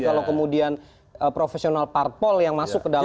kalau kemudian profesional parpol yang masuk ke dalam